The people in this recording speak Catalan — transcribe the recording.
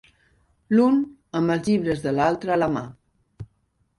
L'un, amb els llibres de l'altre a la mà.